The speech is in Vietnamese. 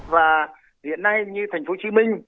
và hiện nay như tp hcm